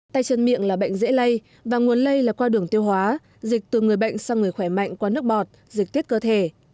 tay chân miệng là bệnh dễ lây và nguồn lây là qua đường tiêu hóa dịch từ người bệnh sang người khỏe mạnh qua nước bọt dịch tiết cơ thể